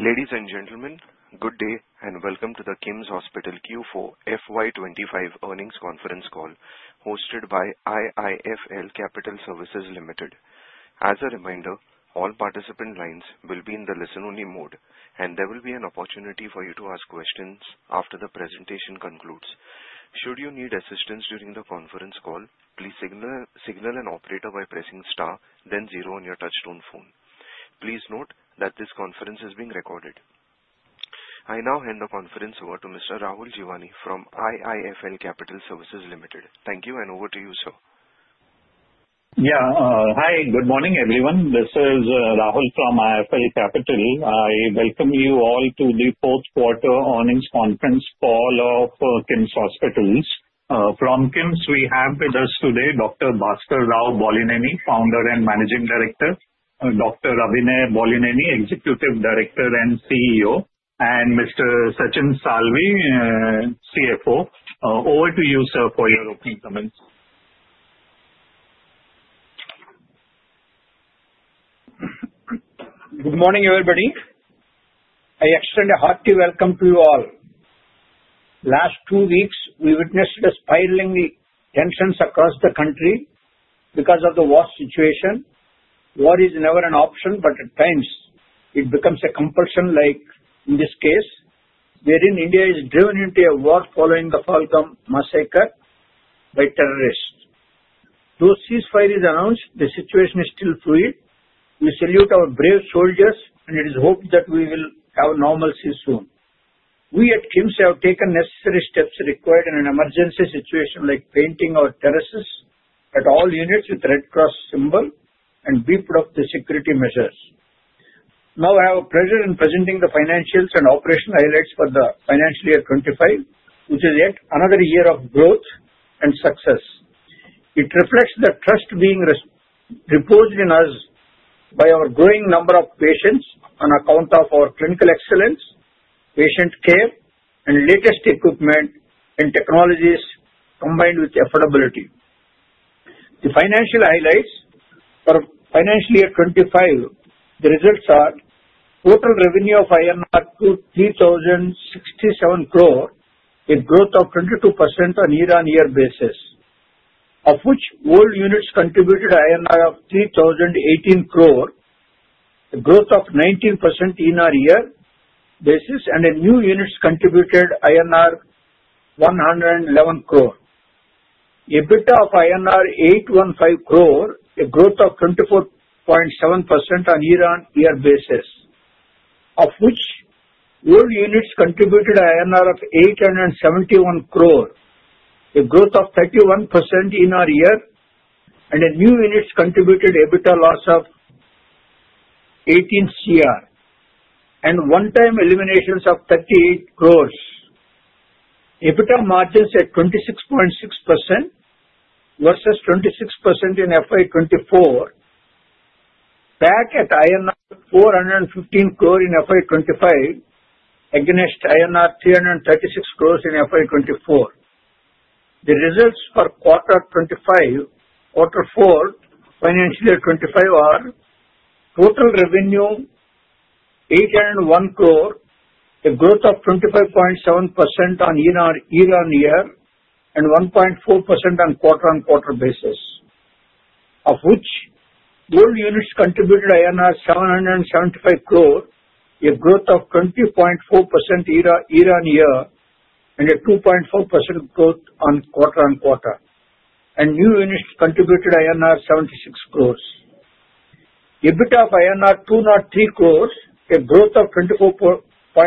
Ladies and gentlemen, good day and welcome to the KIMS Hospitals' Q4 FY 2025 Earnings Conference call hosted by IIFL Capital Services Ltd. As a reminder, all participant lines will be in the listen-only mode, and there will be an opportunity for you to ask questions after the presentation concludes. Should you need assistance during the conference call, please signal an operator by pressing star, then zero on your touch-tone phone. Please note that this conference is being recorded. I now hand the conference over to Mr. Rahul Jeewani from IIFL Capital Services Ltd. Thank you, and over to you, sir. Yeah, hi, good morning, everyone. This is Rahul from IIFL Capital. I welcome you all to the fourth quarter earnings conference call of KIMS Hospitals. From KIMS, we have with us today Dr. Bhaskar Rao Bollineni, Founder and Managing Director, Dr. Abhinay Bollineni, Executive Director and CEO, and Mr. Sachin Salvi, CFO. Over to you, sir, for your opening comments. Good morning, everybody. I extend a hearty welcome to you all. Last two weeks, we witnessed spiraling tensions across the country because of the war situation. War is never an option, but at times, it becomes a compulsion, like in this case, wherein India is driven into a war following the Pahalgam massacre by terrorists. Though ceasefire is announced, the situation is still fluid. We salute our brave soldiers, and it is hoped that we will have a normalcy soon. We at KIMS have taken necessary steps required in an emergency situation, like painting our terraces at all units with the Red Cross symbol and beefed up the security measures. Now, I have a pleasure in presenting the financials and operational highlights for the financial year 2025, which is yet another year of growth and success. It reflects the trust being reposed in us by our growing number of patients on account of our clinical excellence, patient care, and latest equipment and technologies combined with affordability. The financial highlights for financial year 2025, the results are total revenue of 3,067 crore INR, a growth of 22% on year-on-year basis, of which old units contributed 3,018 crore, a growth of 19% year-on-year basis, and new units contributed INR 111 crore. EBITDA of INR 815 crore, a growth of 24.7% on year-on-year basis, of which old units contributed 871 crore INR, a growth of 31% year-on-year, and new units contributed EBITDA loss of 18 crore, and one-time eliminations of 38 crore. EBITDA margins at 26.6% versus 26% in FY 2024, PAT at INR 415 crore in FY 2025, against INR 336 crore in FY 2024. The results for quarter four, financial year 2025 are total revenue 801 crore, a growth of 25.7% year-on-year, and 1.4% on quarter-on-quarter basis, of which old units contributed INR 775 crore, a growth of 20.4% year-on-year, and a 2.4% growth on quarter-on-quarter, and new units contributed INR 76 crores. EBITDA of INR 203 crore, a growth of 24.4%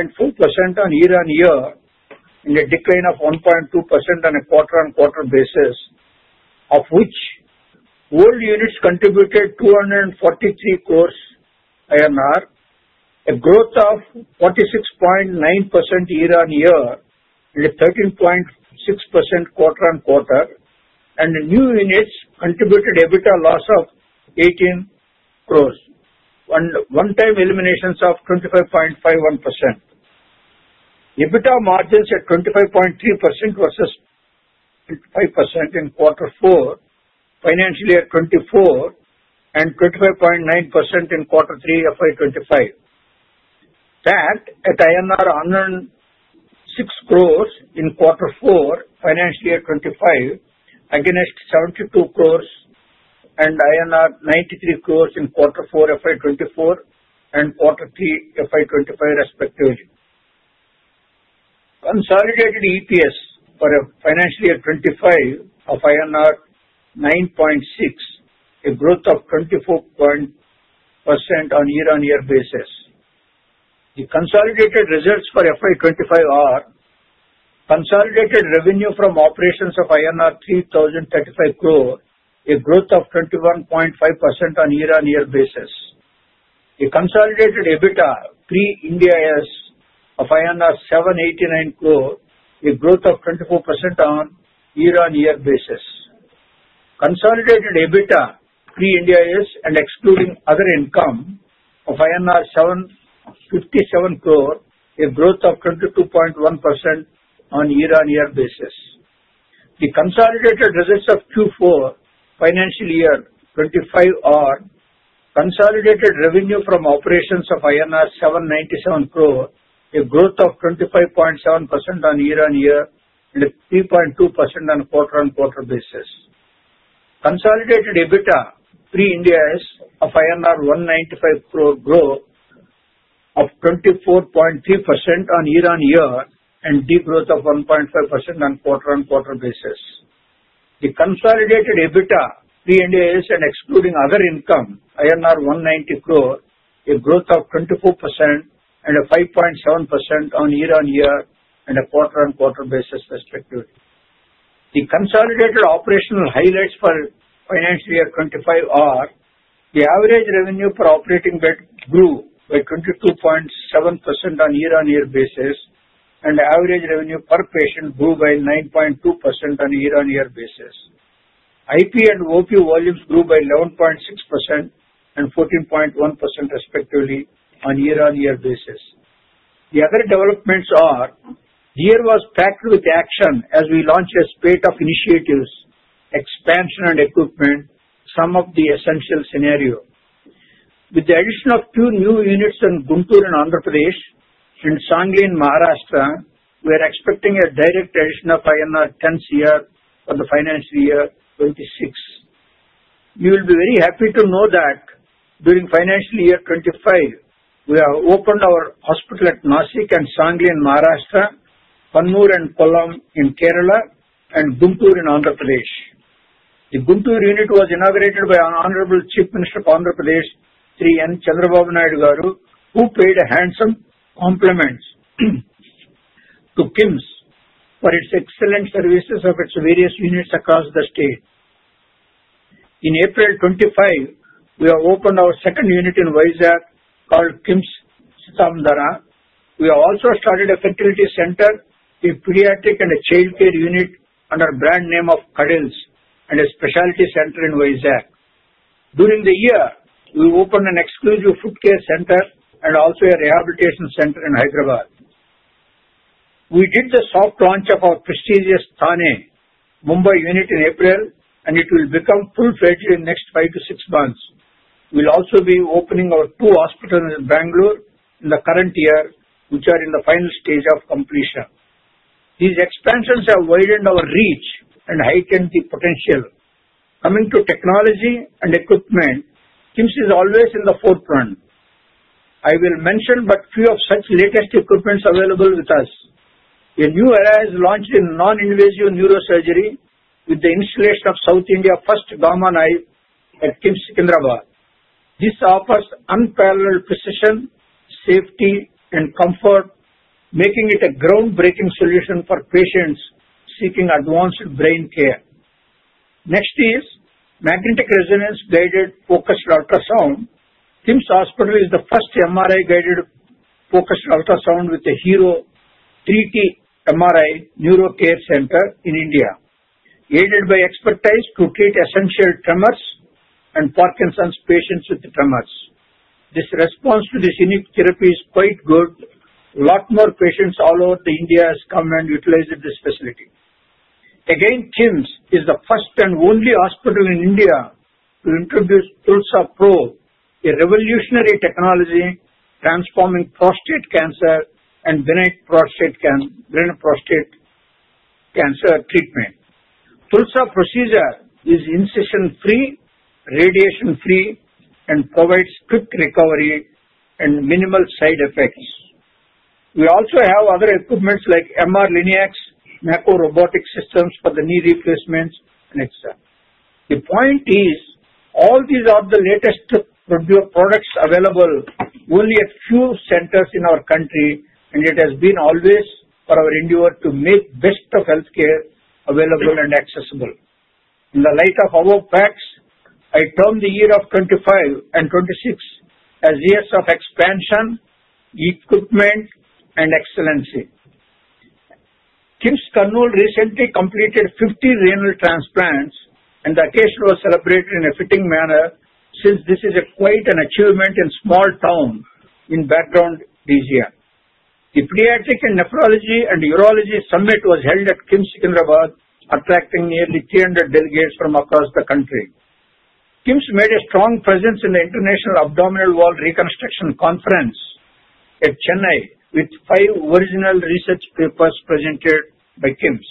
year-on-year, and a decline of 1.2% on a quarter-on-quarter basis, of which old units contributed 243 crores INR, a growth of 46.9% year-on-year, and a 13.6% quarter-on-quarter, and new units contributed EBITDA loss of 18 crores, and one-time eliminations of 25.51%. EBITDA margins at 25.3% versus 25% in quarter four, financial year 2024, and 25.9% in quarter three FY 2025. PAT at INR 106 crores in quarter four, financial year 2025, against 72 crores and INR 93 crores in quarter four FY 2024 and quarter three FY 2025, respectively. Consolidated EPS for financial year 2025 of INR 9.6, a growth of 24.7% on year-on-year basis. The consolidated results for FY 2025 are consolidated revenue from operations of INR 3,035 crore, a growth of 21.5% on year-on-year basis. The consolidated EBITDA pre-Ind AS of INR 789 crore, a growth of 24% on year-on-year basis. Consolidated EBITDA pre-Ind AS and excluding other income of INR 757 crore, a growth of 22.1% on year-on-year basis. The consolidated results of Q4 financial year 2025 are consolidated revenue from operations of INR 797 crore, a growth of 25.7% on year-on-year and 3.2% on quarter-on-quarter basis. Consolidated EBITDA pre-Ind AS of INR 195 crore, a growth of 24.3% on year-on-year and degrowth of 1.5% on quarter-on-quarter basis. The consolidated EBITDA pre-Ind AS and excluding other income of INR 190 crore, a growth of 24% and 5.7% on year-on-year and quarter-on-quarter basis, respectively. The consolidated operational highlights for financial year 2025 are the average revenue per operating bed grew by 22.7% on year-on-year basis, and average revenue per patient grew by 9.2% on year-on-year basis. IP and OP volumes grew by 11.6% and 14.1%, respectively, on year-on-year basis. The other developments are year was packed with action as we launched a spate of initiatives, expansion, and equipment, some of the essential scenario. With the addition of two new units in Guntur in Andhra Pradesh, and Sangli, in Maharashtra, we are expecting a direct addition of 10 crore for the financial year 2026. We will be very happy to know that during financial year 2025, we have opened our hospital at Nashik and Sangli in Maharashtra, Kannur and Kollam in Kerala, and Guntur in Andhra Pradesh. The Guntur unit was inaugurated by Honorable Chief Minister of Andhra Pradesh, Sri N. Chandrababu Naidu Garu, who paid handsome compliments to KIMS for its excellent services of its various units across the state. In April 2025, we have opened our second unit in Vizag called KIMS Seethammadhara. We have also started a facility center, a pediatric and a childcare unit under the brand name of KIMS Cuddles, and a specialty center in Vizag. During the year, we opened an exclusive foot care center and also a rehabilitation center in Hyderabad. We did the soft launch of our prestigious Thane, Mumbai unit in April, and it will become full-fledged in the next five to six months. We will also be opening our two hospitals in Bangalore in the current year, which are in the final stage of completion. These expansions have widened our reach and heightened the potential. Coming to technology and equipment, KIMS is always in the forefront. I will mention but a few of such latest equipment available with us. A new era is launched in non-invasive neurosurgery with the installation of South India's first Gamma Knife at KIMS Secunderabad. This offers unparalleled precision, safety, and comfort, making it a groundbreaking solution for patients seeking advanced brain care. Next is magnetic resonance-guided focused ultrasound. KIMS Hospitals is the first MRI-guided focused ultrasound with the Hero 3T MRI Neuro Care Center in India, aided by expertise to treat essential tremors and Parkinson's patients with tremors. This response to this unique therapy is quite good. A lot more patients all over India have come and utilized this facility. Again, KIMS is the first and only hospital in India to introduce TULSA-PRO, a revolutionary technology transforming prostate cancer and benign prostate cancer treatment. TULSA-PRO procedure is incision-free, radiation-free, and provides quick recovery and minimal side effects. We also have other equipment like MR-Linac, Mako Robotics systems for the knee replacements, and extra. The point is, all these are the latest products available only at few centers in our country, and it has been always our endeavor to make the best of healthcare available and accessible. In the light of our facts, I term the year of 2025 and 2026 as years of expansion, equipment, and excellency. KIMS Kurnool recently completed 50 renal transplants, and the occasion was celebrated in a fitting manner since this is quite an achievement in a small town in backward region. The pediatric and nephrology and urology summit was held at KIMS Secunderabad, attracting nearly 300 delegates from across the country. KIMS made a strong presence in the International Abdominal Wall Reconstruction Conference at Chennai with five original research papers presented by KIMS.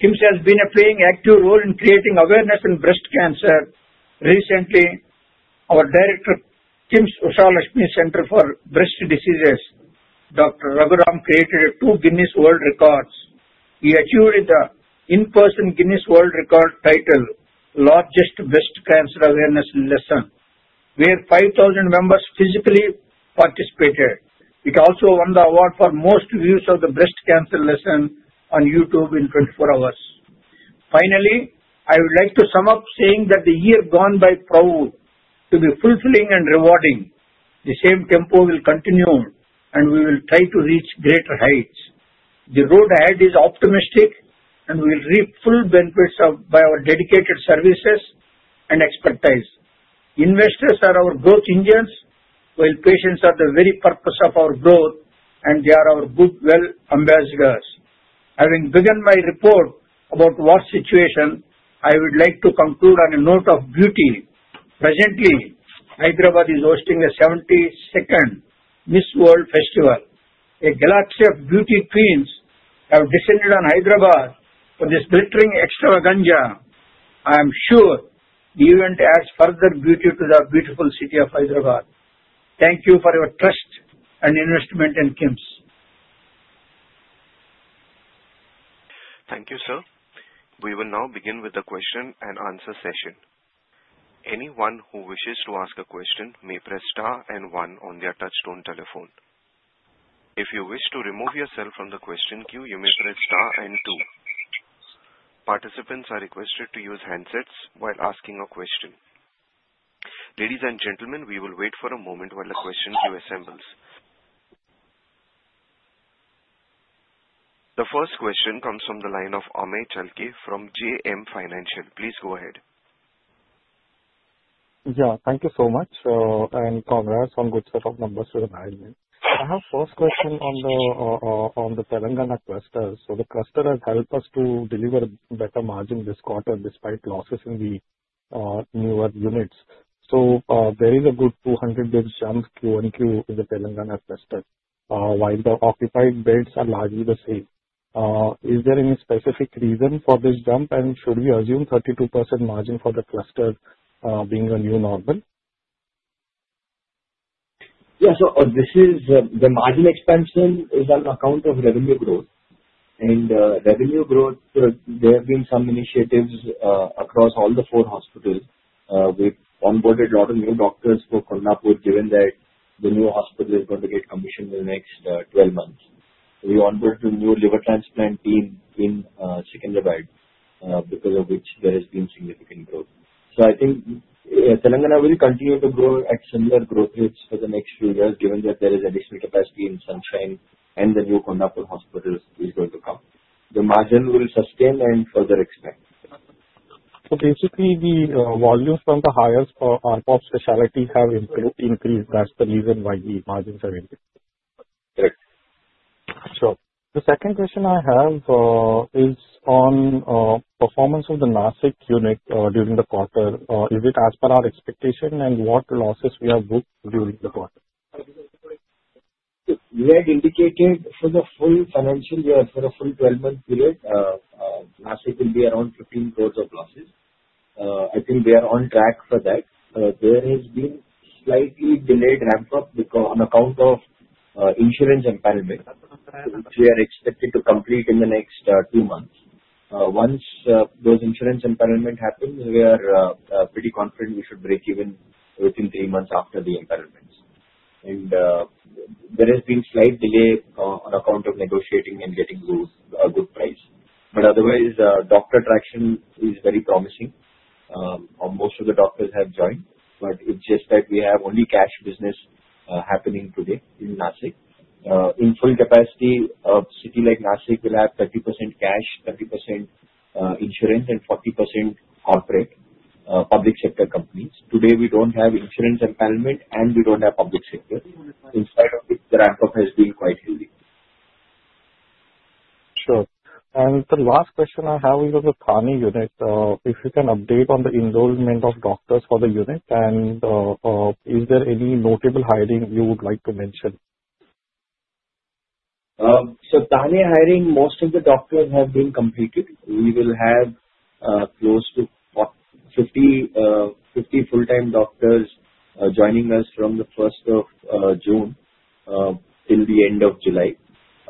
KIMS has been playing an active role in creating awareness in breast cancer. Recently, our director, KIMS Ushalakshmi Center for Breast Diseases, Dr. Raghuram, created two Guinness World Records. We achieved the in-person Guinness World Record title, "Largest Breast Cancer Awareness Lesson," where 5,000 members physically participated. It also won the award for most views of the breast cancer lesson on YouTube in 24 hours. Finally, I would like to sum up saying that the year gone by proved to be fulfilling and rewarding. The same tempo will continue, and we will try to reach greater heights. The road ahead is optimistic, and we will reap full benefits by our dedicated services and expertise. Investors are our growth engines, while patients are the very purpose of our growth, and they are our goodwill ambassadors. Having begun my report about war situation, I would like to conclude on a note of beauty. Presently, Hyderabad is hosting the 72nd Miss World Festival. A galaxy of beauty queens have descended on Hyderabad for this glittering extravaganza. I am sure the event adds further beauty to the beautiful city of Hyderabad. Thank you for your trust and investment in KIMS. Thank you, sir. We will now begin with the question and answer session. Anyone who wishes to ask a question may press star and one on their touch-tone telephone. If you wish to remove yourself from the question queue, you may press star and two. Participants are requested to use handsets while asking a question. Ladies and gentlemen, we will wait for a moment while the question queue assembles. The first question comes from the line of Amey Chalke from JM Financial. Please go ahead. Yeah, thank you so much. And congrats on good set of numbers to the management. I have a first question on the Telangana cluster. So the cluster has helped us to deliver better margin this quarter despite losses in the newer units. So there is a good 200 bps jump Q-o-Q in the Telangana cluster, while the occupied beds are largely the same. Is there any specific reason for this jump, and should we assume 32% margin for the cluster being a new normal? Yeah, so this is the margin expansion is on account of revenue growth. And revenue growth, there have been some initiatives across all the four hospitals. We've onboarded a lot of new doctors for Kondapur, given that the new hospital is going to get commissioned in the next 12 months. We onboarded a new liver transplant team in Secunderabad, because of which there has been significant growth. So I think Telangana will continue to grow at similar growth rates for the next few years, given that there is additional capacity in Sunshine and the new Kondapur hospital is going to come. The margin will sustain and further expand. So basically, the volume from the hires for ARPOB specialty have increased. That's the reason why the margins have increased. Correct. Sure. The second question I have is on performance of the Nashik unit during the quarter. Is it as per our expectation, and what losses we have booked during the quarter? We had indicated for the full financial year for the full 12-month period, Nashik will be around 15 crore of losses. I think we are on track for that. There has been slightly delayed ramp-up on account of insurance empanelment, which we are expected to complete in the next two months. Once those insurance empanelment happens, we are pretty confident we should break even within three months after the empanelment. And there has been slight delay on account of negotiating and getting a good price. But otherwise, doctor traction is very promising. Most of the doctors have joined, but it's just that we have only cash business happening today in Nashik. In full capacity, a city like Nashik will have 30% cash, 30% insurance, and 40% corporate public sector companies. Today, we don't have insurance empanelment, and we don't have public sector. In spite of it, the ramp-up has been quite heavy. Sure. And the last question I have is of the Thane unit. If you can update on the enrollment of doctors for the unit, and is there any notable hiring you would like to mention? So, Thane hiring, most of the doctors have been completed. We will have close to 50 full-time doctors joining us from the 1st of June till the end of July.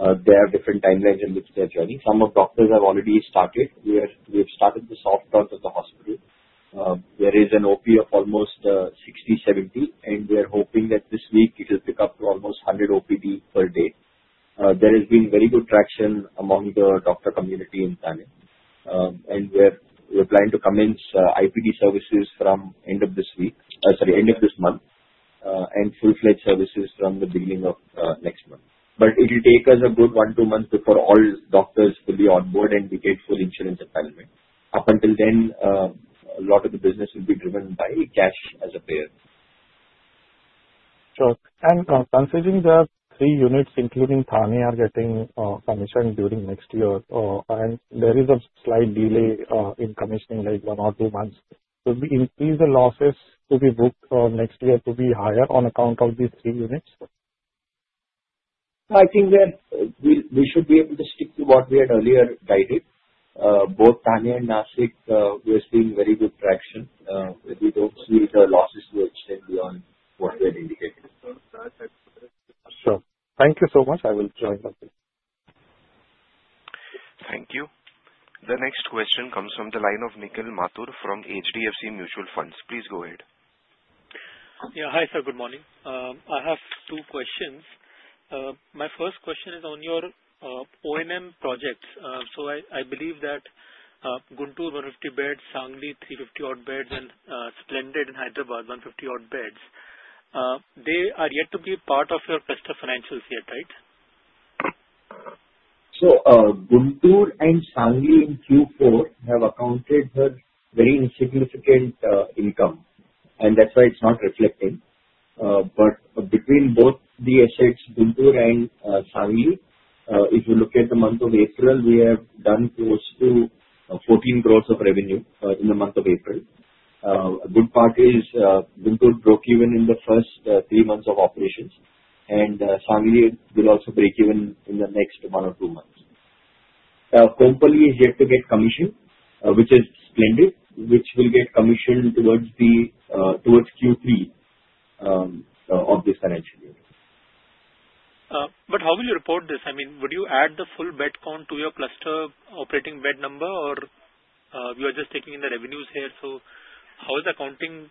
There are different timelines in which they are joining. Some of the doctors have already started. We have started the soft launch of the hospital. There is an OP of almost 60-70, and we are hoping that this week it will pick up to almost 100 OPD per day. There has been very good traction among the doctor community in Thane, and we are planning to commence IPD services from end of this week, sorry, end of this month, and full-fledged services from the beginning of next month. But it will take us a good one to two months before all doctors will be onboard and we get full insurance empanelment. Up until then, a lot of the business will be driven by cash as a payer. Sure. And considering the three units, including Thane, are getting commissioned during next year, and there is a slight delay in commissioning like one or two months, would we increase the losses to be booked next year to be higher on account of these three units? I think that we should be able to stick to what we had earlier guided. Both Thane and Nashik were seeing very good traction. We don't see the losses to extend beyond what we had indicated. Sure. Thank you so much. I will join the queue. Thank you. The next question comes from the line of Nikhil Mathur from HDFC Mutual Fund. Please go ahead. Yeah. Hi, sir. Good morning. I have two questions. My first question is on your O&M projects. So I believe that Guntur 150 beds, Sangli 350-odd beds, and Splendid in Hyderabad 150-odd beds, they are yet to be part of your cluster financials yet, right? So Guntur and Sangli in Q4 have accounted for very insignificant income, and that's why it's not reflecting. But between both the assets, Guntur and Sangli, if you look at the month of April, we have done close to 14 crores of revenue in the month of April. A good part is Guntur broke even in the first three months of operations, and Sangli will also break even in the next one or two months. Kompally is yet to get commissioned, which is Splendid, which will get commissioned towards Q3 of this financial year. But how will you report this? I mean, would you add the full bed count to your cluster operating bed number, or you are just taking in the revenues here? So how is accounting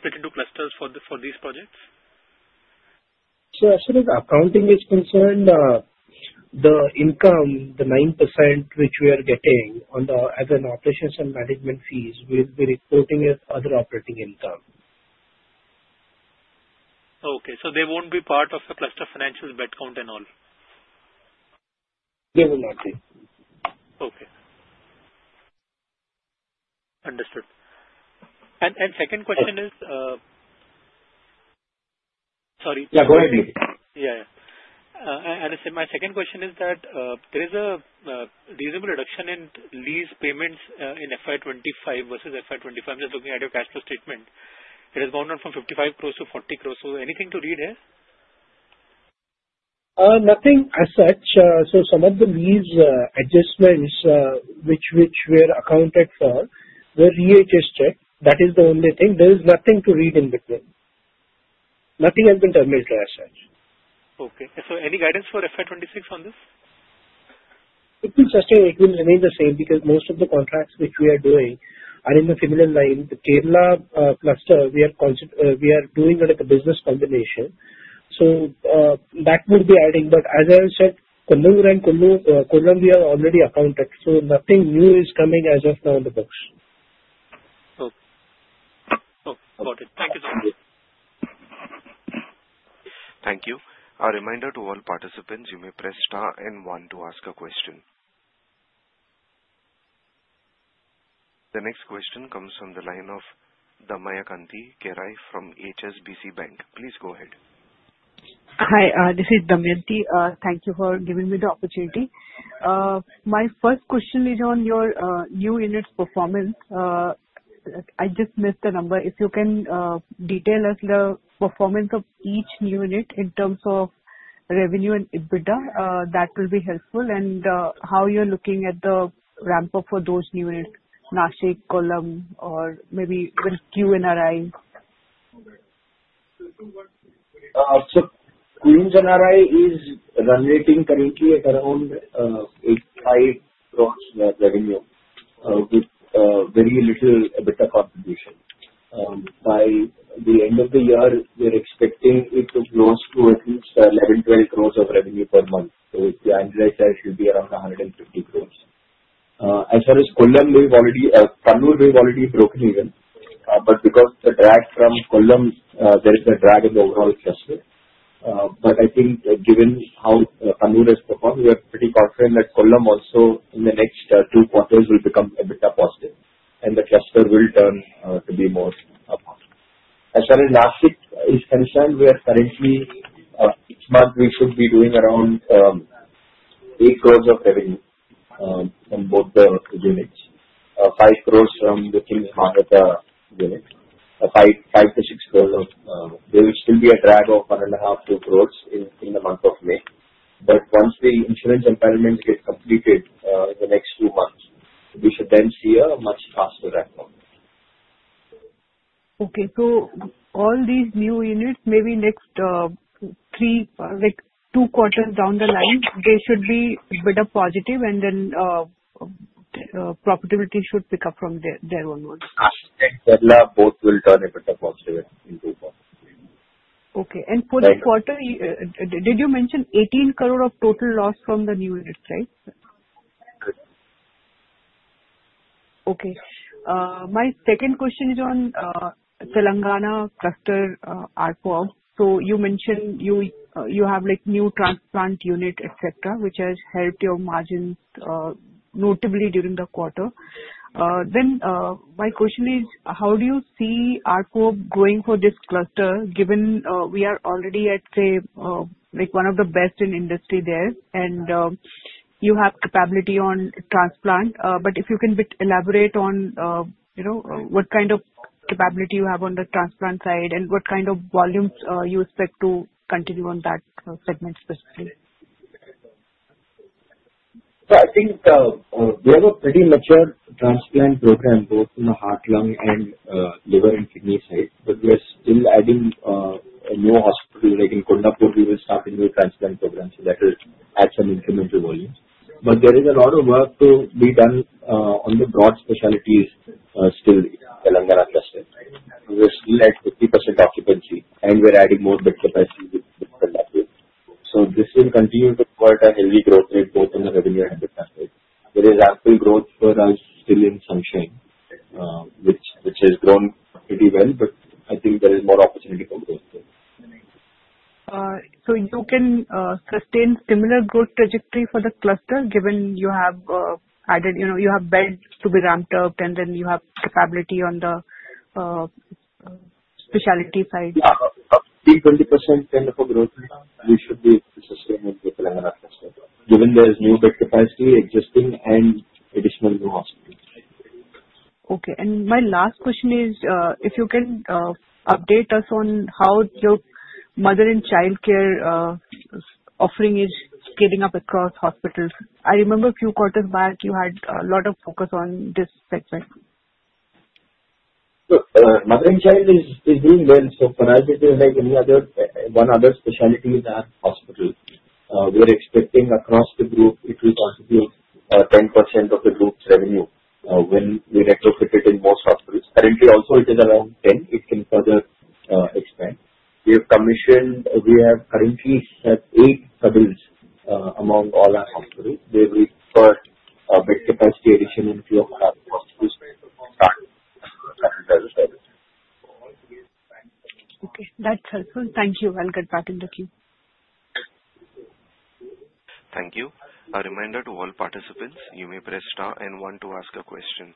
split into clusters for these projects? So as far as accounting is concerned, the income, the 9% which we are getting as an operations and management fees, we'll be reporting as other operating income. Okay. So they won't be part of the cluster financials bed count and all? They will not be. Okay. Understood. And second question is, sorry. Yeah, go ahead, Nikhil. Yeah, yeah. And my second question is that there is a reasonable reduction in lease payments in FY 2025 versus FY 2025. I'm just looking at your cash flow statement. It has gone down from 55 crores to 40 crores. So anything to read here? Nothing as such. So some of the lease adjustments which were accounted for were readjusted. That is the only thing. There is nothing to read in between. Nothing has been terminated as such. Okay. So any guidance for FY 2026 on this? It will remain the same because most of the contracts which we are doing are in the similar line. The Kerala cluster, we are doing a business combination. So that would be adding. But as I have said, Kannur and Kollam we have already accounted. So nothing new is coming as of now on the books. Okay. Okay. Got it. Thank you so much. Thank you. A reminder to all participants, you may press star and one to ask a question. The next question comes from the line of Damayanti Kerai from HSBC Bank. Please go ahead. Hi, this is Damayanti. Thank you for giving me the opportunity. My first question is on your new unit's performance. I just missed the number. If you can detail us the performance of each new unit in terms of revenue and EBITDA, that will be helpful. And how you're looking at the ramp-up for those new units, Nashik, Kollam, or maybe even QNRI? So Queen's NRI is running currently at around INR 85 crores revenue with very little EBITDA contribution. By the end of the year, we're expecting it to close to at least 11-12 crores of revenue per month. So the annualized share should be around 150 crores. As far as Kollam, we've already broken even in Kannur. But because of the drag from Kollam, there is a drag in the overall cluster. But I think given how Kannur has performed, we are pretty confident that Kollam also in the next two quarters will become EBITDA positive, and the cluster will turn to be more positive. As far as Nashik is concerned, we are currently each month we should be doing around 8 crores of revenue on both the units, 5 crores from the KIMS Manavata unit, 5-6 crores. There will still be a drag of 1.5-2 crores in the month of May. But once the insurance empanelment gets completed in the next few months, we should then see a much faster ramp-up. Okay. So all these new units, maybe next two quarters down the line, they should be EBITDA positive, and then profitability should pick up from their own ones. Nashik and Kerala both will turn EBITDA positive in two quarters. Okay. And for the quarter, did you mention 18 crore of total loss from the new units, right? Correct. Okay. My second question is on Telangana cluster ARPOB. So you mentioned you have new transplant unit, etc., which has helped your margins notably during the quarter. Then my question is, how do you see ARPOB going for this cluster, given we are already at, say, one of the best in industry there, and you have capability on transplant? But if you can elaborate on what kind of capability you have on the transplant side and what kind of volumes you expect to continue on that segment specifically? So I think we have a pretty mature transplant program both in the heart, lung, and liver and kidney side. But we are still adding a new hospital like in Kondapur. We will start a new transplant program, so that will add some incremental volumes. But there is a lot of work to be done on the broad specialties still in Telangana cluster. We're still at 50% occupancy, and we're adding more bed capacity with Kondapur. So this will continue to put a heavy growth rate both in the revenue and EBITDA side. There is ample growth for us still in Sunshine, which has grown pretty well, but I think there is more opportunity for growth there. So you can sustain similar growth trajectory for the cluster, given you have added beds to be ramped up, and then you have capability on the specialty side? Yeah. Up to 20% kind of a growth rate we should be sustaining with Telangana cluster, given there is new bed capacity existing and additional new hospitals. Okay. And my last question is, if you can update us on how your mother and childcare offering is scaling up across hospitals. I remember a few quarters back you had a lot of focus on this segment. Mother and child is doing well. So for us, it will make any other one other specialty with our hospital. We are expecting across the group, it will contribute 10% of the group's revenue when we retrofit it in most hospitals. Currently, also, it is around 10%. It can further expand. We have commissioned. We currently have eight subunits among all our hospitals. They will. For bed capacity addition in a few of our hospitals to start as a service. Okay. That's helpful. Thank you. I'll get back in the queue. Thank you. A reminder to all participants, you may press star and one to ask a question.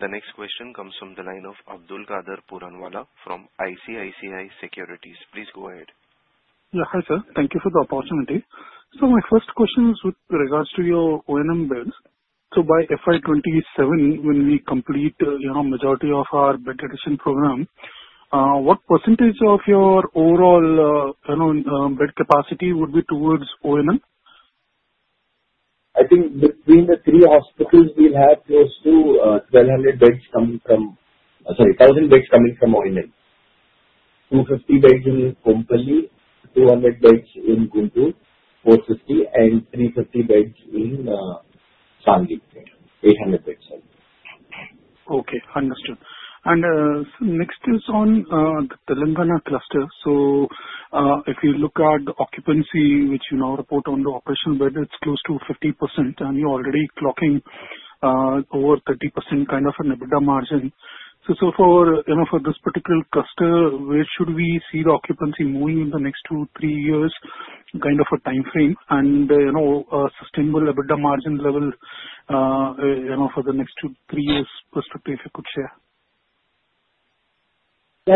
The next question comes from the line of Abdulkader Puranwala from ICICI Securities. Please go ahead. Yeah. Hi, sir. Thank you for the opportunity. So my first question is with regards to your O&M beds. So by FY 2027, when we complete the majority of our bed addition program, what percentage of your overall bed capacity would be towards O&M? I think between the three hospitals, we'll have close to 1,200 beds coming from sorry, 1,000 beds coming from O&M. 250 beds in Kompally, 200 beds in Guntur, 450, and 350 beds in Sangli, 800 beds. Okay. Understood. And next is on Telangana cluster. So if you look at the occupancy, which you now report on the operational bed, it's close to 50%, and you're already clocking over 30% kind of an EBITDA margin. So for this particular cluster, where should we see the occupancy moving in the next two, three years, kind of a timeframe, and a sustainable EBITDA margin level for the next two, three years' perspective, if you could share?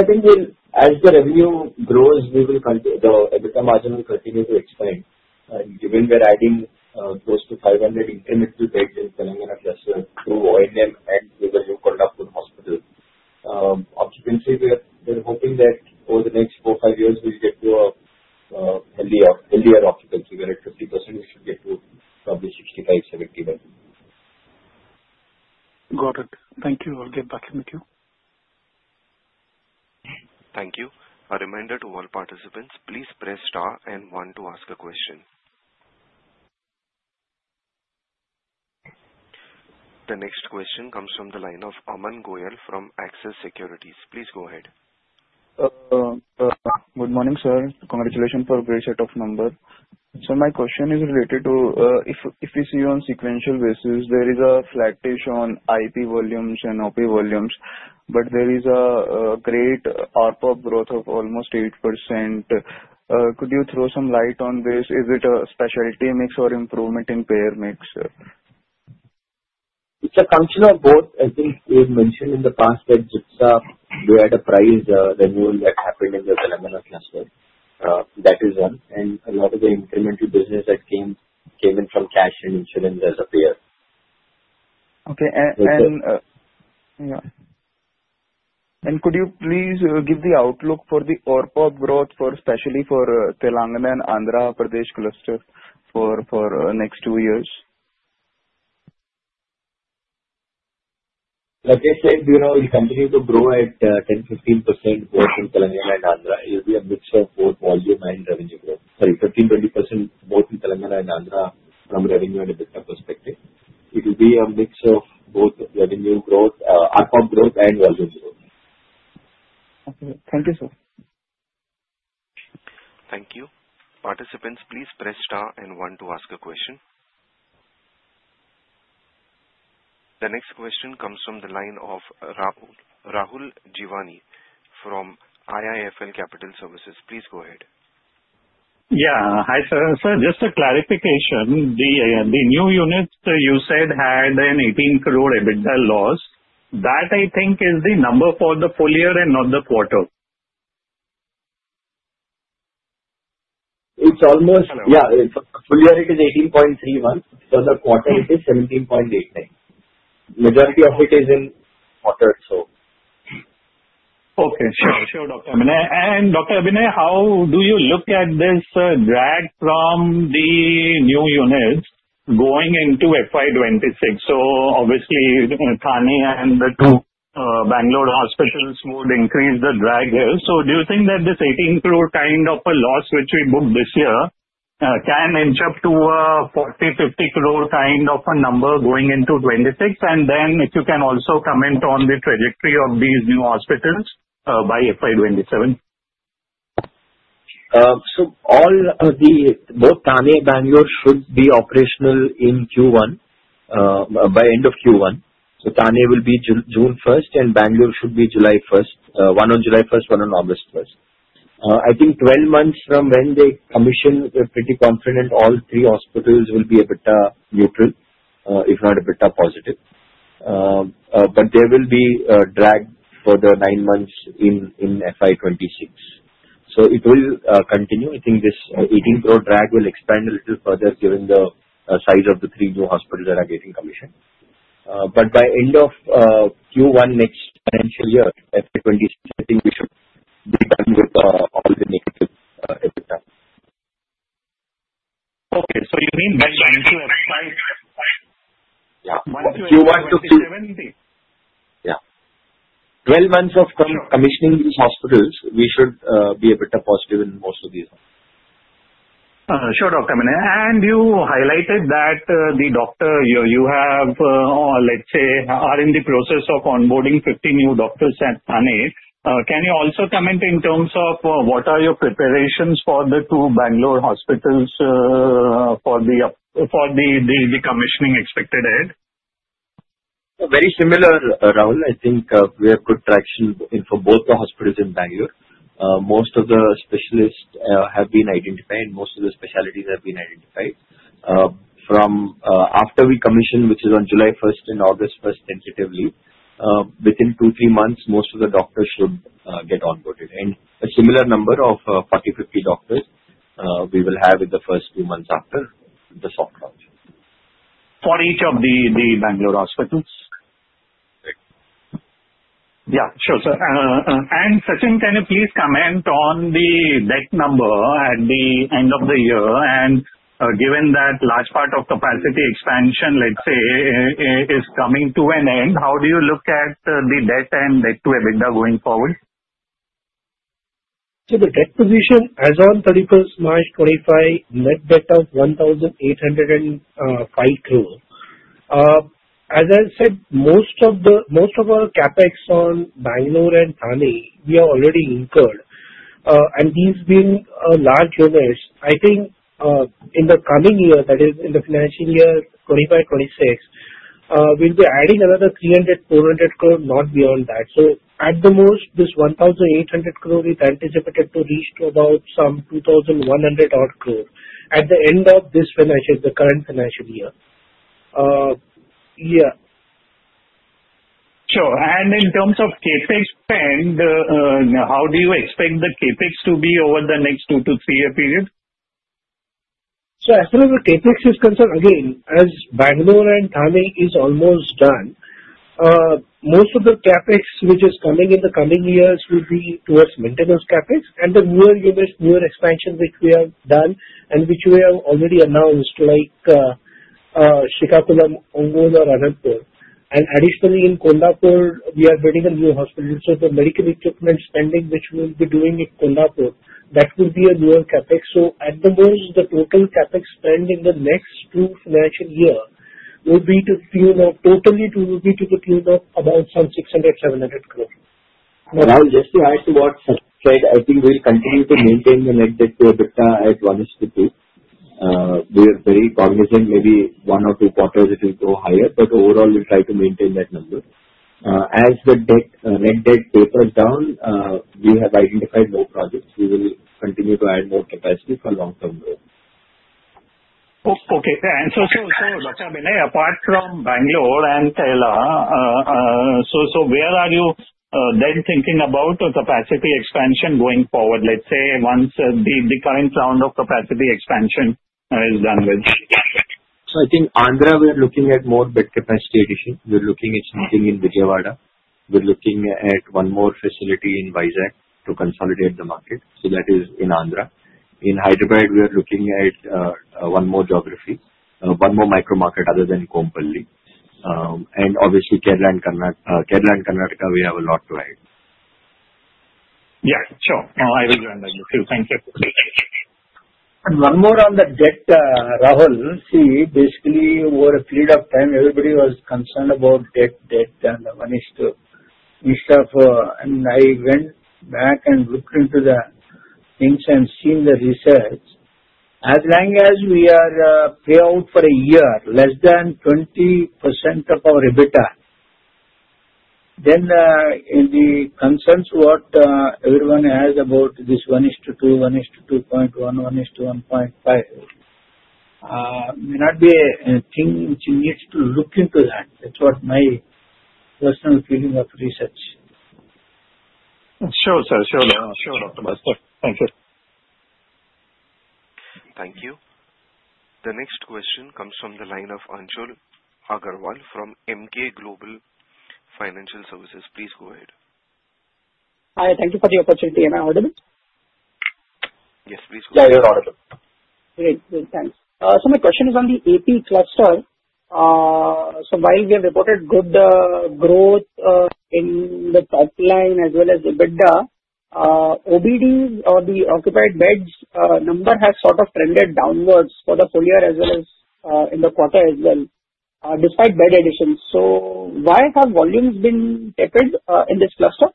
I think as the revenue grows, we will continue the EBITDA margin will continue to expand. Given we're adding close to 500 incremental beds in Telangana cluster to O&M and to the new Kondapur hospitals. Occupancy we're hoping that over the next four, five years, we'll get to a healthier occupancy where at 50%, we should get to probably 65-70 bed. Got it. Thank you. I'll get back in queue. Thank you. A reminder to all participants, please press star and one to ask a question. The next question comes from the line of Aman Goyal from Axis Securities. Please go ahead. Good morning, sir. Congratulations for a great set of numbers. So my question is related to if we see on sequential basis, there is a flattish on IP volumes and OP volumes, but there is a great ARPOB growth of almost 8%. Could you throw some light on this? Is it a specialty mix or improvement in payer mix? It's a function of both. I think we have mentioned in the past that GIPSA, we had a price renewal that happened in the Telangana cluster. That is one. And a lot of the incremental business that came in from cash and insurance as a payer. Okay. And could you please give the outlook for the ARPOB growth, especially for Telangana and Andhra Pradesh cluster for next two years? Like I said, we continue to grow at 10%-15% both in Telangana and Andhra. It will be a mix of both volume and revenue growth. Sorry, 15%-20% both in Telangana and Andhra from revenue and EBITDA perspective. It will be a mix of both revenue growth, ARPOB growth, and volume growth. Okay. Thank you, sir. Thank you. Participants, please press star and one to ask a question. The next question comes from the line of Rahul Jeewani from IIFL Capital Services. Please go ahead. Yeah. Hi, sir. Sir, just a clarification. The new units you said had an 18 crore EBITDA loss. That, I think, is the number for the full year and not the quarter. It's almost yeah. Full year, it is 18.31 crores. For the quarter, it is 17.89 crores. Majority of it is in quarter, so. Okay. Sure, sure, Dr. Abhinay. And Dr. Abhinay, how do you look at this drag from the new units going into FY 2026? So obviously, Thane and the two Bangalore hospitals would increase the drag here. So do you think that this 18 crore kind of a loss which we booked this year can inch up to a 40 crore-50 crore kind of a number going into 2026? And then if you can also comment on the trajectory of these new hospitals by FY 2027. So all of both Thane and Bangalore should be operational in Q1, by end of Q1. So Thane will be June 1st, and Bangalore should be July 1st. One on July 1st, one on August 1st. I think 12 months from when they commission, we're pretty confident all three hospitals will be EBITDA neutral, if not EBITDA positive. But there will be a drag for the nine months in FY 2026. So it will continue. I think this 18 crore drag will expand a little further given the size of the three new hospitals that are getting commissioned. But by end of Q1 next financial year, FY 2026, I think we should be done with all the negative EBITDA. Okay. So you mean by financial yeah, Q1 to Q2. Yeah. 12 months of commissioning these hospitals, we should be EBITDA positive in most of these months. Sure, Dr. Abhinay. And you highlighted that the doctor you have, let's say, are in the process of onboarding 50 new doctors at Thane. Can you also comment in terms of what are your preparations for the two Bangalore hospitals for the commissioning expected ahead? Very similar, Rahul. I think we have good traction for both the hospitals in Bangalore. Most of the specialists have been identified, and most of the specialties have been identified. After we commission, which is on July 1st and August 1st tentatively, within two-three months, most of the doctors should get onboarded. And a similar number of 40-50 doctors we will have in the first few months after the soft launch. For each of the Bangalore hospitals? Yeah. Sure. Sachin, can you please comment on the debt number at the end of the year? Given that large part of capacity expansion, let's say, is coming to an end, how do you look at the debt and debt to EBITDA going forward? The debt position, as of 31st March 2025, net debt of 1,805 crore. As I said, most of our CapEx on Bangalore and Thane, we have already incurred. These being large units, I think in the coming year, that is, in the financial year 2025-2026, we'll be adding another 300, 400 crore, not beyond that. At the most, this 1,800 crore is anticipated to reach to about some 2,100-odd crore at the end of this current financial year. Yeah. Sure. In terms of CapEx spend, how do you expect the CapEx to be over the next two to three year period? As far as the CapEx is concerned, again, as Bangalore and Thane is almost done, most of the CapEx which is coming in the coming years will be towards maintenance CapEx. The newer units, newer expansion which we have done and which we have already announced, like Srikakulam, Ongole or Anantapur. Additionally, in Kondapur, we are building a new hospital. The medical equipment spending, which we'll be doing in Kondapur, that will be a newer CapEx. At the most, the total CapEx spend in the next two financial years will be to the tune of totally will be to the tune of about some 600-700 crore. Rahul, just to add to what Sachin said, I think we'll continue to maintain the net debt to EBITDA at 1:2. We are very cognizant, maybe one or two quarters it will go higher, but overall, we'll try to maintain that number. As the net debt tapers down, we have identified more projects. We will continue to add more capacity for long-term growth. Okay. And so, Dr. Abhinay, apart from Bangalore and Kerala, so where are you then thinking about capacity expansion going forward, let's say, once the current round of capacity expansion is done with? So I think Andhra, we're looking at more bed capacity addition. We're looking at something in Vijayawada. We're looking at one more facility in Vizag to consolidate the market. So that is in Andhra. In Hyderabad, we are looking at one more geography, one more micro market other than Kompally. And obviously, Kerala and Karnataka, we have a lot to add. Yeah. Sure. I will join the queue. Thank you. And one more on the debt, Rahul. See, basically, over a period of time, everybody was concerned about debt, debt, and one is to instead of and I went back and looked into the things and seen the research. As long as we are payout for a year, less than 20% of our EBITDA, then the concerns what everyone has about this 1:2, 1:2.1, 1:1.5 may not be a thing which needs to look into that. That's what my personal feeling of research. Sure, sir. Sure. Sure, Dr. Bhaskar. Thank you. Thank you. The next question comes from the line of Anshul Agrawal from Emkay Global Financial Services. Please go ahead. Hi. Thank you for the opportunity. Am I audible? Yes, please go ahead. Yeah, you're audible. Great. Great. Thanks. So my question is on the AP cluster. So while we have reported good growth in the top line as well as EBITDA, OBDs or the occupied beds number has sort of trended downwards for the full year as well as in the quarter as well, despite bed additions. So why have volumes been tapered in this cluster?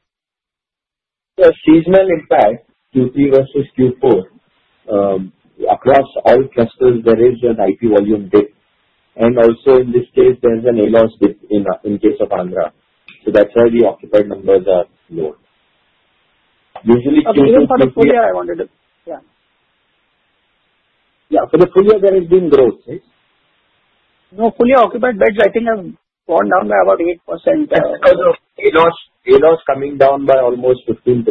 The seasonal impact, Q3 versus Q4, across all clusters, there is an IP volume dip. And also, in this case, there's an ALOS dip in case of Andhra. So that's why the occupied numbers are low. Usually, Q2 to Q4. I think for the full year, I wanted to yeah. Yeah. For the full year, there has been growth, right? No, full year occupied beds, I think, have gone down by about 8%. ALOS coming down by almost 15%.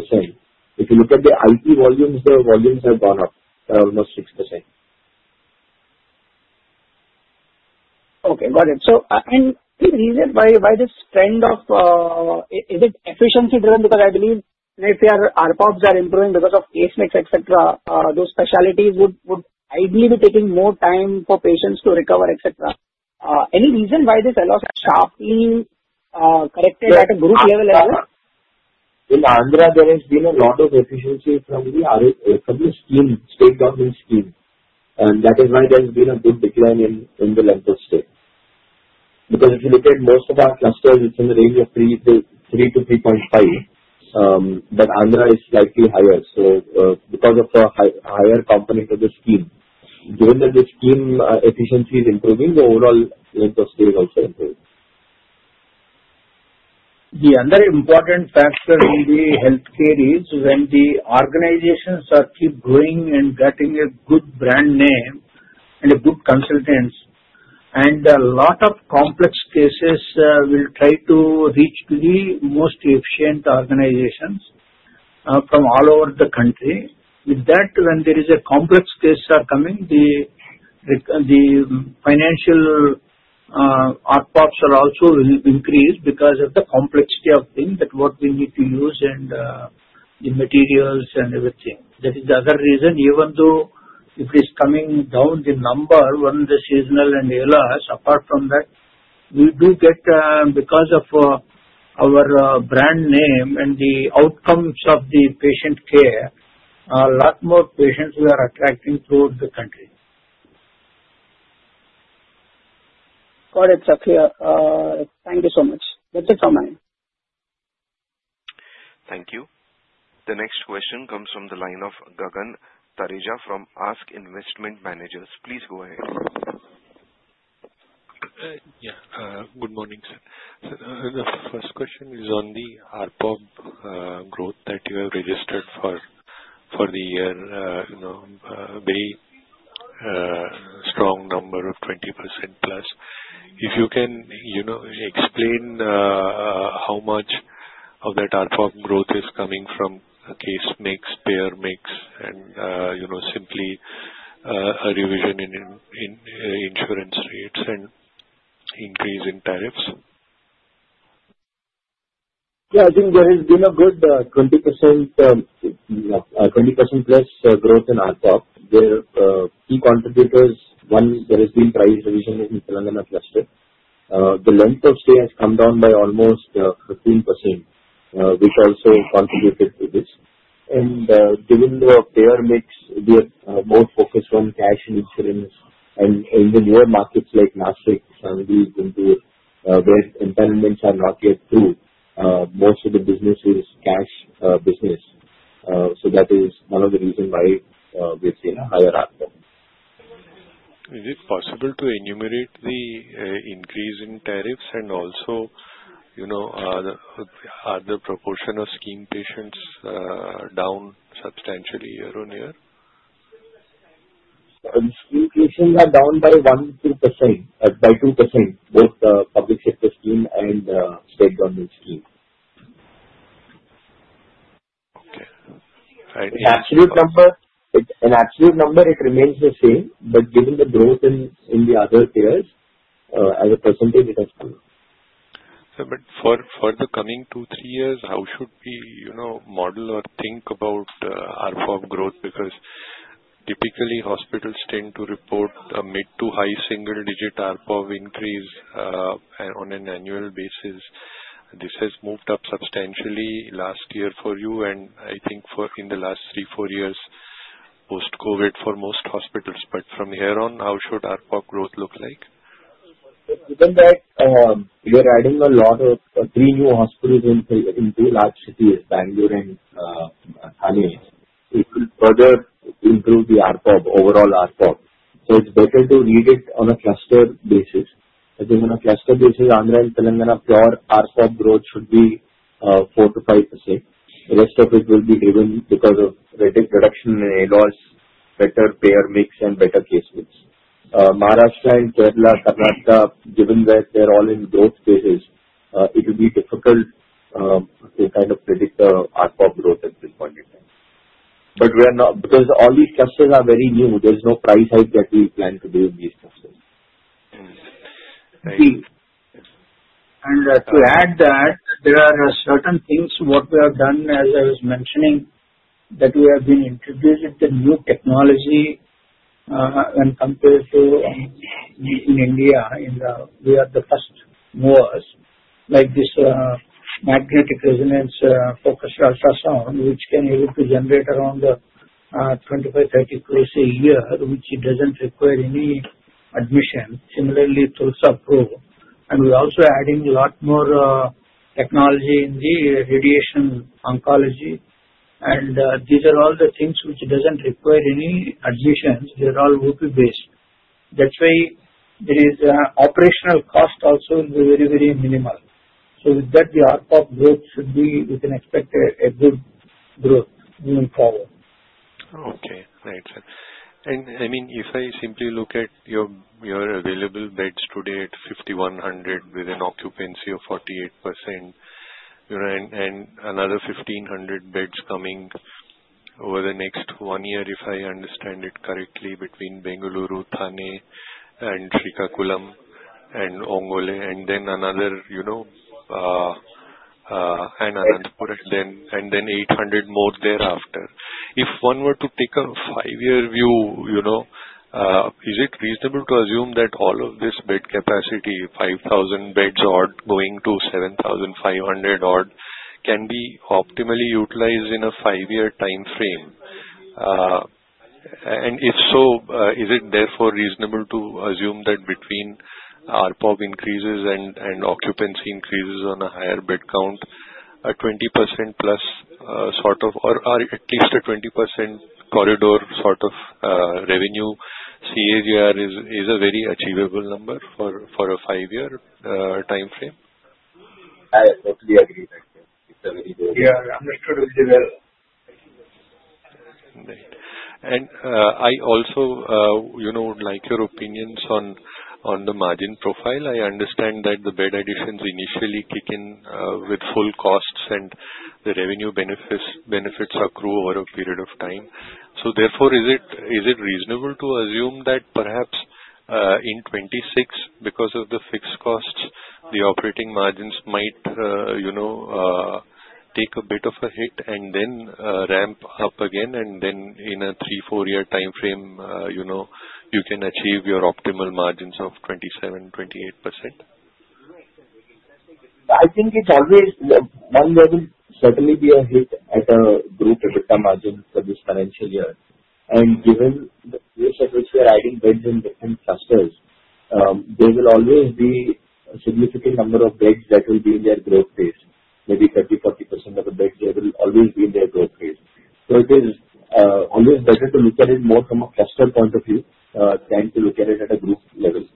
If you look at the IP volumes, the volumes have gone up by almost 6%. Okay. Got it. And the reason why this trend, is it efficiency driven? Because I believe if your ARPOBs are improving because of pacemakers, etc., those specialties would ideally be taking more time for patients to recover, etc. Any reason why this ALOS has sharply corrected at a group level as well? In Andhra, there has been a lot of efficiency from the scheme, state government scheme. And that is why there has been a good decline in the length of stay. Because if you look at most of our clusters, it's in the range of 3 to 3.5. But Andhra is slightly higher. So because of a higher component of the scheme, given that the scheme efficiency is improving, the overall length of stay is also improving. The other important factor in the healthcare is when the organizations keep growing and getting a good brand name and good consultants. And a lot of complex cases will try to reach the most efficient organizations from all over the country. With that, when there is a complex case coming, the financial ARPOBs also will increase because of the complexity of things, what we need to use, and the materials, and everything. That is the other reason. Even though if it is coming down, the number, when the seasonal and ALOS, apart from that, we do get, because of our brand name and the outcomes of the patient care, a lot more patients we are attracting throughout the country. Got it, sir. Thank you so much. That's it from my end. Thank you. The next question comes from the line of Gagan Thareja from ASK Investment Managers. Please go ahead. Yeah. Good morning, sir. The first question is on the ARPOB growth that you have registered for the year, very strong number of 20% plus. If you can explain how much of that ARPOB growth is coming from pacemakers, payer mix, and simply a revision in insurance rates and increase in tariffs? Yeah. I think there has been a good 20% plus growth in ARPOB. The key contributors, one, there has been price revision in the Telangana cluster. The length of stay has come down by almost 15%, which also contributed to this, and given the payer mix, we are more focused on cash and insurance, and in the newer markets like Nashik, Sangli, Guntur, where entitlements are not yet through, most of the business is cash business. So that is one of the reasons why we've seen a higher ARPOB. Is it possible to enumerate the increase in tariffs and also the proportion of scheme patients down substantially year on year? Scheme patients are down by 2%, by 2%, both the public sector scheme and state government scheme. Okay. Right. In absolute number, in absolute number, it remains the same. But given the growth in the other years, as a percentage, it has come. But for the coming two, three years, how should we model or think about ARPOB growth? Because typically, hospitals tend to report a mid to high single-digit ARPOB increase on an annual basis. This has moved up substantially last year for you, and I think in the last three, four years post-COVID for most hospitals. But from here on, how should ARPOB growth look like? Given that we are adding a lot of three new hospitals in two large cities, Bangalore and Thane, it will further improve the overall ARPOB. It's better to read it on a cluster basis. I think on a cluster basis, Andhra and Telangana, pure ARPOB growth should be 4%-5%. The rest of it will be driven because of reduction in ALOS, better payer mix, and better case rates. Maharashtra and Kerala, Karnataka, given that they're all in growth phases, it will be difficult to kind of predict the ARPOB growth at this point in time. Because all these clusters are very new, there's no price hike that we plan to do in these clusters. To add that, there are certain things what we have done, as I was mentioning, that we have been introducing the new technology when compared to in India. We are the first movers, like this magnetic resonance focused ultrasound, which can be able to generate around 25-30 crores a year, which doesn't require any admission. Similarly, TULSA-PRO. And we're also adding a lot more technology in the radiation oncology. And these are all the things which doesn't require any admissions. They're all OP-based. That way, there is operational cost also very, very minimal. So with that, the ARPOB growth should be we can expect a good growth moving forward. Okay. Right. And I mean, if I simply look at your available beds today at 5,100 with an occupancy of 48%, and another 1,500 beds coming over the next one year, if I understand it correctly, between Bengaluru, Thane, and Srikakulam and Ongole, and then another and Anantapur, and then 800 more thereafter. If one were to take a five-year view, is it reasonable to assume that all of this bed capacity, 5,000 beds odd, going to 7,500 odd, can be optimally utilized in a five-year time frame? And if so, is it therefore reasonable to assume that between ARPOB increases and occupancy increases on a higher bed count, a 20% plus sort of or at least a 20% corridor sort of revenue CAGR is a very achievable number for a five-year time frame? I totally agree with that. It's a very good. Yeah. I'm not sure to believe it. Right. And I also would like your opinions on the margin profile. I understand that the bed additions initially kick in with full costs, and the revenue benefits accrue over a period of time. So therefore, is it reasonable to assume that perhaps in 2026, because of the fixed costs, the operating margins might take a bit of a hit and then ramp up again, and then in a 3-4-year time frame, you can achieve your optimal margins of 27%-28%? I think it's always one level certainly be a hit at a group EBITDA margin for this financial year. And given the course at which we are adding beds in different clusters, there will always be a significant number of beds that will be in their growth phase. Maybe 30%-40% of the beds, they will always be in their growth phase. So it is always better to look at it more from a cluster point of view than to look at it at a group level.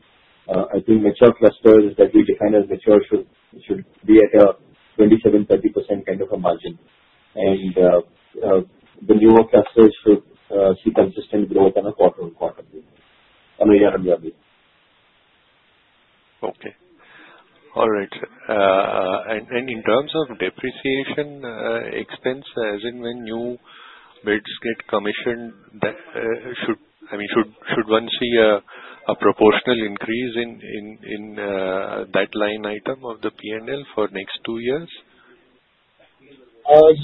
I think mature clusters that we define as mature should be at a 27%-30% kind of a margin. And the newer clusters should see consistent growth on a quarter-on-quarter basis. I mean, you're on your way. Okay. All right. And in terms of depreciation expense, as in when new beds get commissioned, I mean, should one see a proportional increase in that line item of the P&L for next two years?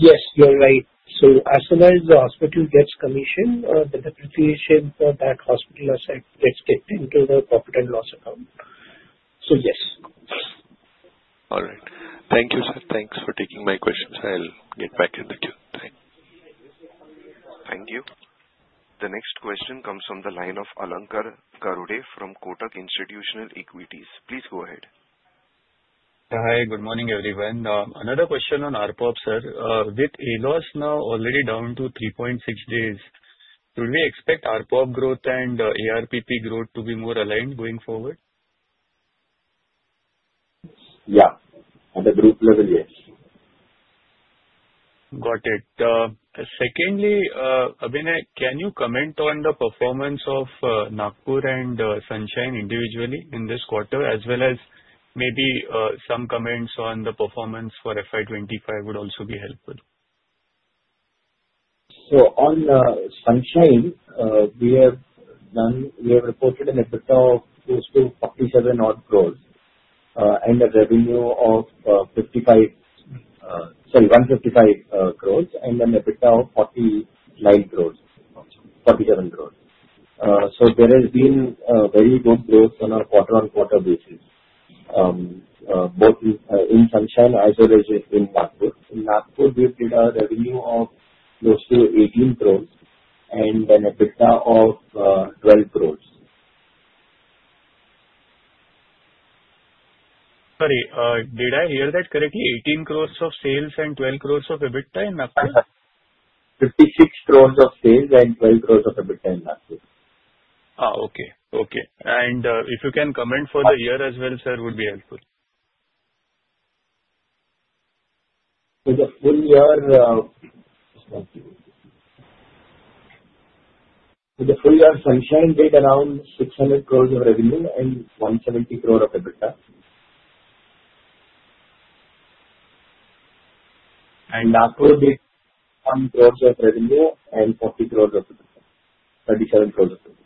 Yes. You're right. So as soon as the hospital gets commissioned, the depreciation for that hospital asset gets kicked into the profit and loss account. So yes. All right. Thank you, sir. Thanks for taking my questions. I'll get back in the queue. Thanks. Thank you. The next question comes from the line of Alankar Garude from Kotak Institutional Equities. Please go ahead. Hi. Good morning, everyone. Another question on ARPOB, sir. With ALOS now already down to 3.6 days, should we expect ARPOB growth and ARPP growth to be more aligned going forward? Yeah. At the group level, yeah. Got it. Secondly, Abhinay, can you comment on the performance of Nagpur and Sunshine individually in this quarter, as well as maybe some comments on the performance for FY 2025 would also be helpful? So on Sunshine, we have reported an EBITDA of close to 47-odd crores and a revenue of 55 sorry, 155 crores and an EBITDA of 49 crores, 47 crores. So there has been very good growth on a quarter-on-quarter basis, both in Sunshine as well as in Nagpur. In Nagpur, we've made a revenue of close to 18 crores and an EBITDA of 12 crores. Sorry, did I hear that correctly? 18 crores of sales and 12 crores of EBITDA in Nagpur? 56 crores of sales and 12 crores of EBITDA in Nagpur. Okay. Okay. And if you can comment for the year as well, sir, would be helpful. For the full year, for the full year, Sunshine did around 600 crores of revenue and 170 crores of EBITDA. And Nagpur did 100 crore of revenue and 40 crores of EBITDA, 37 crores of revenue.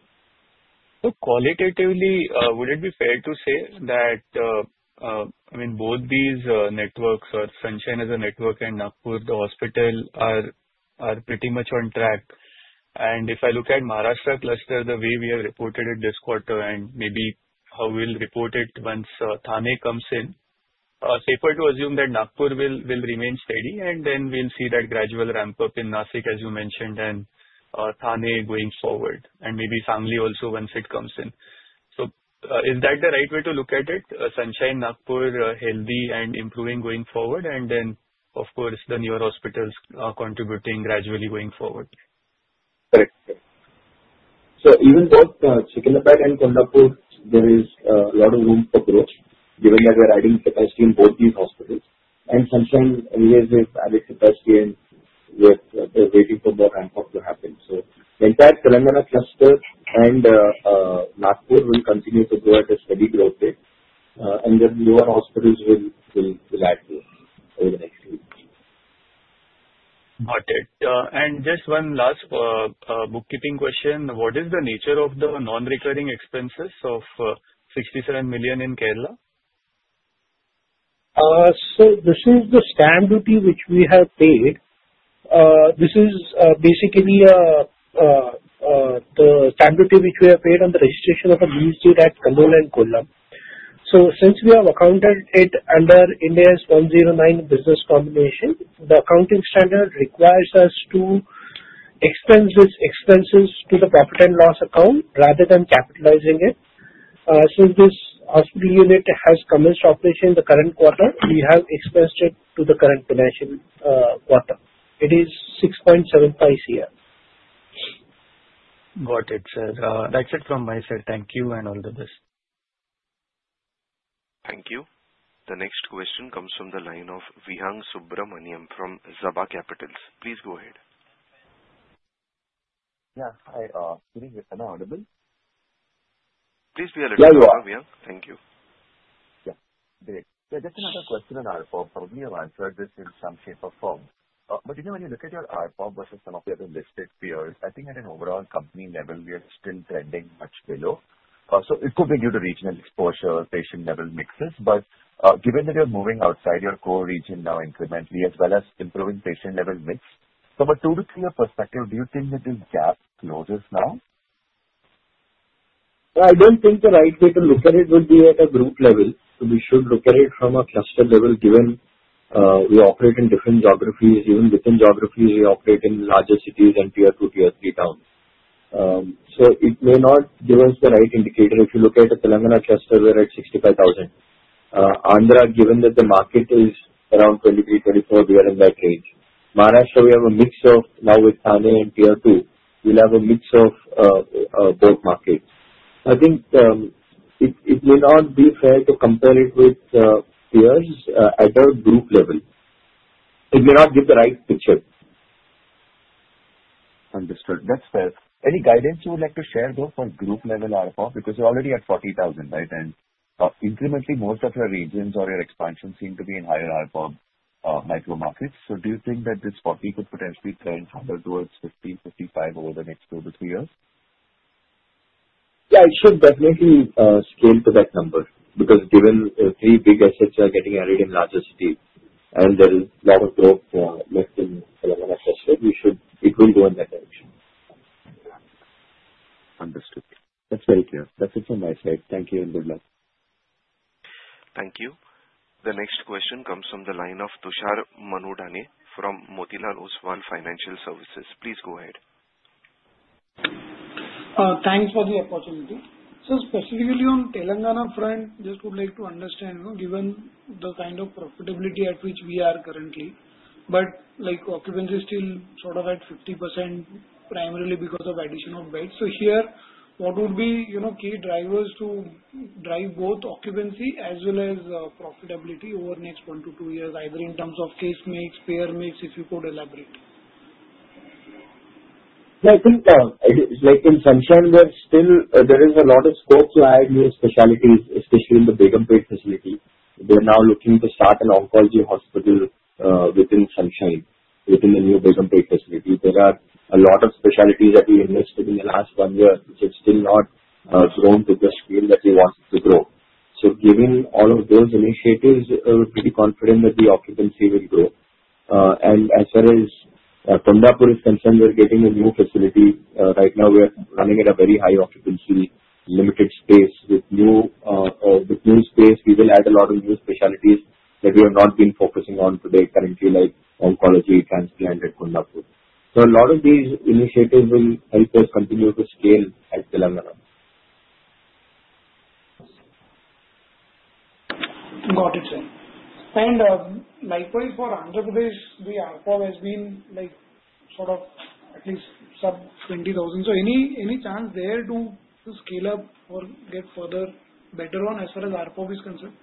So qualitatively, would it be fair to say that, I mean, both these networks, Sunshine as a network and Nagpur, the hospital are pretty much on track? And if I look at Maharashtra cluster, the way we have reported it this quarter, and maybe how we'll report it once Thane comes in, it's safer to assume that Nagpur will remain steady, and then we'll see that gradual ramp-up in Nashik, as you mentioned, and Thane going forward, and maybe Sangli also once it comes in. So is that the right way to look at it? Sunshine, Nagpur, healthy and improving going forward, and then, of course, the newer hospitals contributing gradually going forward? Correct. So even though Secunderabad and Kondapur, there is a lot of room for growth, given that we are adding capacity in both these hospitals. And Sunshine, anyways, they've added capacity, and they're waiting for more ramp-up to happen. So in fact, Telangana cluster and Nagpur will continue to grow at a steady growth rate. And then newer hospitals will add over the next few years. Got it. And just one last bookkeeping question. What is the nature of the non-recurring expenses of 67 million in Kerala? So this is the stamp duty which we have paid. This is basically the stamp duty which we have paid on the registration of amenities at Kannur and Kollam. So since we have accounted it under Ind AS 109 business combination, the accounting standard requires us to expense these expenses to the profit and loss account rather than capitalizing it. Since this hospital unit has commenced operation in the current quarter, we have expensed it to the current financial quarter. It is 6.75 crore. Got it, sir. That's it from my side. Thank you and all the best. Thank you. The next question comes from the line of Vihang Subramanian from Zaaba Capital. Please go ahead. Yeah. Hi. Can you hear me? Can I be audible? Please be a little louder, Vihang. Thank you. Yeah. Great. Yeah. Just another question on ARPOB. Probably you've answered this in some shape or form. But when you look at your ARPOB versus some of the other listed peers, I think at an overall company level, we are still trending much below. So it could be due to regional exposure, patient-level mixes. But given that you're moving outside your core region now incrementally, as well as improving patient-level mix, from a two-to-three-year perspective, do you think that this gap closes now? I don't think the right way to look at it would be at a group level. So we should look at it from a cluster level, given we operate in different geographies. Even within geographies, we operate in larger cities and tier two, tier three towns. So it may not give us the right indicator. If you look at the Telangana cluster, we're at 65,000. Andhra, given that the market is around 23, 24, we are in that range. Maharashtra, we have a mix of now with Thane and tier two, we'll have a mix of both markets. I think it may not be fair to compare it with peers at a group level. It may not give the right picture. Understood. That's fair. Any guidance you would like to share, though, for group-level ARPOB? Because you're already at 40,000, right? And incrementally, most of your regions or your expansion seem to be in higher ARPOB micro markets. So do you think that this 40 could potentially trend harder towards 50, 55 over the next two to three years? Yeah. It should definitely scale to that number. Because given three big assets are getting added in larger cities, and there is a lot of growth left in Telangana cluster, it will go in that direction. Understood. That's very clear. That's it from my side. Thank you and good luck. Thank you. The next question comes from the line of Tushar Manudhane from Motilal Oswal Financial Services. Please go ahead. Thanks for the opportunity. So specifically on Telangana front, just would like to understand, given the kind of profitability at which we are currently, but occupancy is still sort of at 50% primarily because of addition of beds. So here, what would be key drivers to drive both occupancy as well as profitability over the next one to two years, either in terms of case mix, payer mix, if you could elaborate? Yeah. I think in Sunshine, there is a lot of scope to add new specialties, especially in the Begumpet facility. We are now looking to start an oncology hospital within Sunshine, within the new Begumpet facility. There are a lot of specialties that we invested in the last one year, which have still not grown to the speed that we wanted to grow. So given all of those initiatives, we're pretty confident that the occupancy will grow. And as far as Kondapur is concerned, we're getting a new facility. Right now, we're running at a very high occupancy, limited space. With new space, we will add a lot of new specialties that we have not been focusing on today currently, like oncology, transplant, and Kondapur. So a lot of these initiatives will help us continue to scale at Telangana. Got it, sir. And likewise for Andhra Pradesh, the ARPOB has been sort of at least sub 20,000. So any chance there to scale up or get further better on as far as ARPOB is concerned?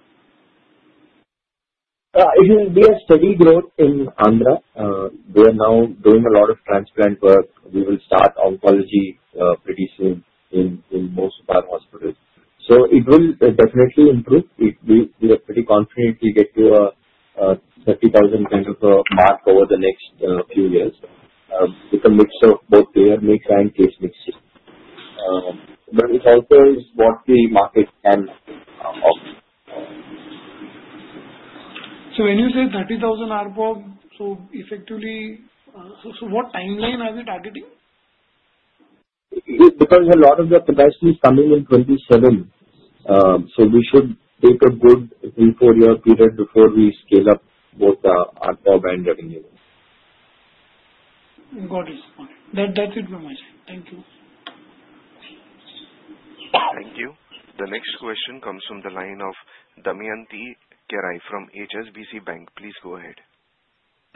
It will be a steady growth in Andhra. We are now doing a lot of transplant work. We will start oncology pretty soon in most of our hospitals. So it will definitely improve. We are pretty confident we'll get to a 30,000 kind of mark over the next few years with a mix of both payer mix and case mixes. But it also is what the market can offer. So when you say 30,000 ARPOB, so effectively, so what timeline are we targeting? Because a lot of the capacity is coming in 2027. So we should take a good three-four-year period before we scale up both the ARPOB and revenue. Got it. That's it from my side. Thank you. Thank you. The next question comes from the line of Damayanti Kerai from HSBC Bank. Please go ahead.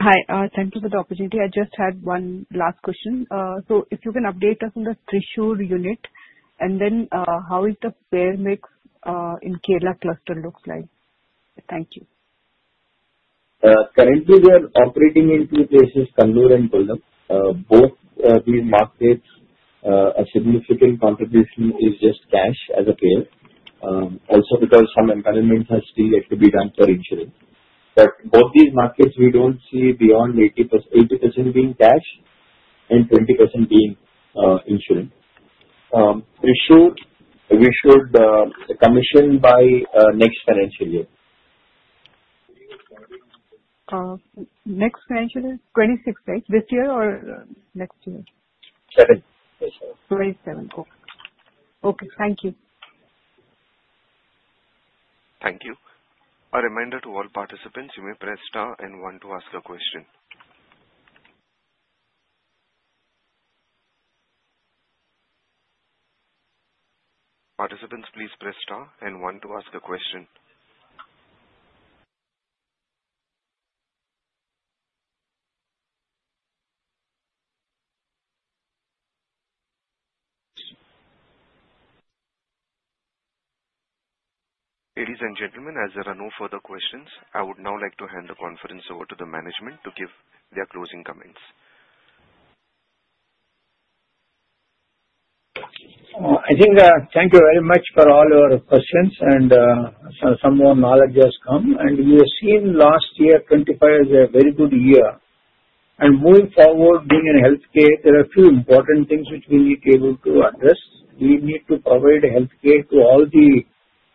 Hi. Thank you for the opportunity. I just had one last question. So if you can update us on the Thrissur unit, and then how is the payer mix in Kerala cluster looks like. Thank you. Currently, we are operating in two places, Kannur and Kollam. Both these markets, a significant contribution is just cash as a payer. Also because some empanelments are still yet to be done for insurance. But both these markets, we don't see beyond 80% being cash and 20% being insurance. Thrissur, we should commission by next financial year. Next financial year? 2026, right? This year or next year? 2027. 2027. Okay. Okay. Thank you. Thank you. A reminder to all participants, you may press star and one to ask a question. Participants, please press star and one to ask a question. Ladies and gentlemen, as there are no further questions, I would now like to hand the conference over to the management to give their closing comments. I think thank you very much for all your questions, and some more knowledge has come. We have seen last year, 2025, as a very good year. Moving forward, being in healthcare, there are a few important things which we need to be able to address. We need to provide healthcare to all the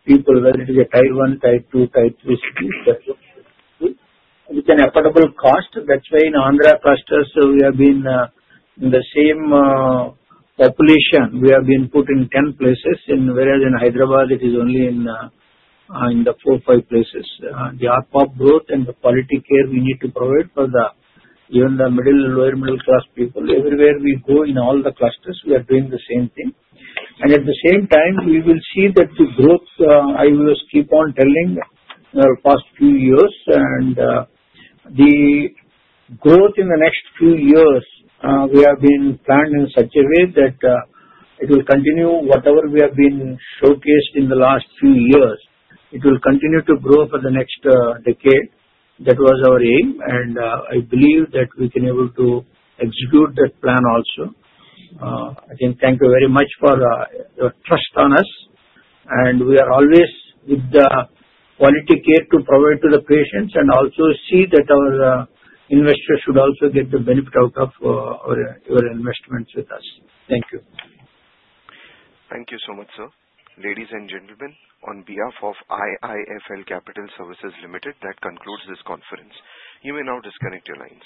people, whether it is a type one, type two, type three cities, with an affordable cost. That's why in Andhra clusters, we have been in the same population. We have been put in 10 places, whereas in Hyderabad, it is only in the four, five places. The ARPOB growth and the quality care we need to provide for even the middle, lower middle-class people. Everywhere we go in all the clusters, we are doing the same thing. And at the same time, we will see that the growth, I will keep on telling, in the past few years. And the growth in the next few years, we have been planned in such a way that it will continue whatever we have been showcased in the last few years. It will continue to grow for the next decade. That was our aim. And I believe that we can be able to execute that plan also. I thank you very much for your trust on us. And we are always with the quality care to provide to the patients and also see that our investors should also get the benefit out of your investments with us. Thank you. Thank you so much, sir. Ladies and gentlemen, on behalf of IIFL Capital Services Ltd, that concludes this conference. You may now disconnect your lines.